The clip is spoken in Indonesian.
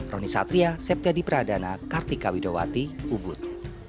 roni satria septiadi pradana kartika widowati ubud